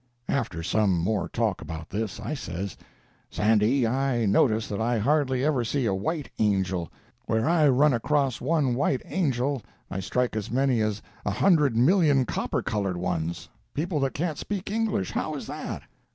After some more talk about this, I says: "Sandy, I notice that I hardly ever see a white angel; where I run across one white angel, I strike as many as a hundred million copper colored ones—people that can't speak English. How is that?"